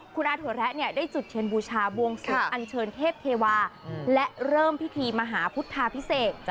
คุณอาถั่วแระได้จุดเทียนบูชาบวงสวงอันเชิญเทพเทวาและเริ่มพิธีมหาพุทธาพิเศษ